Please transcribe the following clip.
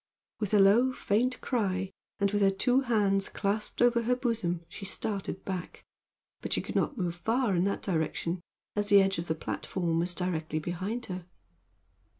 With a low, faint cry, and with her two hands clasped over her bosom, she started back, but she could not move far in that direction, as the edge of the platform was directly behind her.